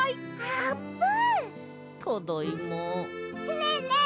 ねえねえ